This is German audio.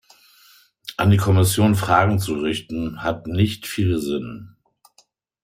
An die Kommission Fragen zu richten, hat nicht viel Sinn.